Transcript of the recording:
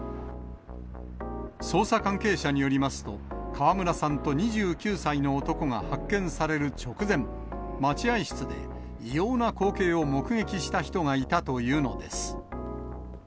捜査関係者によりますと、川村さんと２９歳の男が発見される直前、待合室で異様な光景を目撃した人がいたというのです。